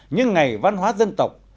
những ngày văn hóa dân tộc